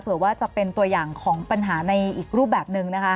เผื่อว่าจะเป็นตัวอย่างของปัญหาในอีกรูปแบบหนึ่งนะคะ